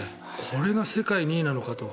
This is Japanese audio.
これが世界２位なのかと。